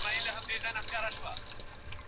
که په تعلیم کې نظم وي، نو ګډوډي نه شته.